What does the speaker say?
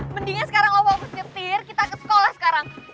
mendingan sekarang omong pesetir kita ke sekolah sekarang